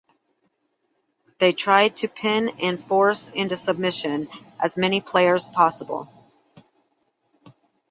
They try to pin and force into submission as many players possible.